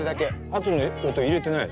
あとの音入れてない？